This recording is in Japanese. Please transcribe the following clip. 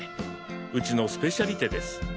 うちのスペシャリテです。